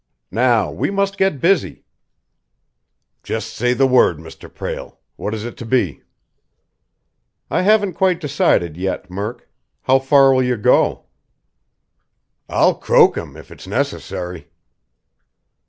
"Now we must get busy!" "Just say the word, Mr. Prale. What is it to be?" "I haven't quite decided yet, Murk. How far will you go?" "I'll croak him, if it's necessary!"